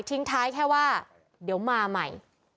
ทิ้งท้ายแค่ว่าเดี๋ยวมาใหม่